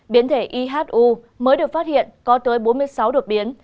biến thể ihu mới được phát hiện có tới bốn mươi sáu đột biến